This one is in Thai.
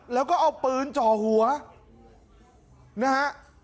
แล้วก็เอาปืนจ่อหัวนะฮะ